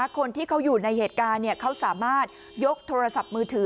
คนที่เขาอยู่ในเหตุการณ์เขาสามารถยกโทรศัพท์มือถือ